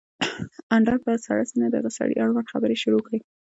اندړ په سړه سينه د هغه سړي اړوند خبرې شروع کړې